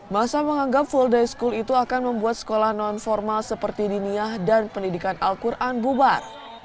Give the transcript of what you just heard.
masa menganggap full day school itu akan membuat sekolah non formal seperti diniah dan pendidikan al quran bubar